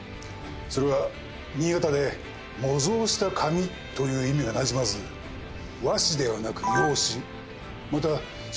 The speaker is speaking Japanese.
それは新潟で模造した紙という意味が馴染まず和紙ではなく洋紙またその大きさから大きな洋紙